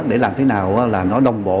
để làm thế nào là nó đồng bộ